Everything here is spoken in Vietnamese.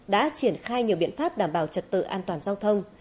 đã triển khai nhiều biện pháp đảm bảo trật tự an toàn giao thông